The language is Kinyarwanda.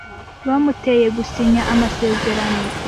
Bamuteye gusinya amasezerano.